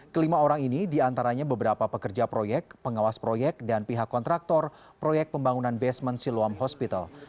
kelima orang ini diantaranya beberapa pekerja proyek pengawas proyek dan pihak kontraktor proyek pembangunan basement siluam hospital